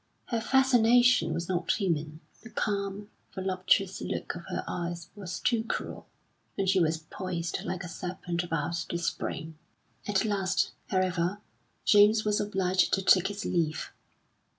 Her fascination was not human, the calm, voluptuous look of her eyes was too cruel; and she was poised like a serpent about to spring. At last, however, James was obliged to take his leave.